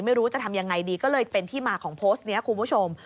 ไม่รู้จะทำยังไงดีก็เลยเป็นที่มาของโพสต์นี้คุณผู้ชม